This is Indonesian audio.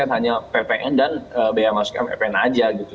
hanya ppn dan bayar masuknya ppn aja gitu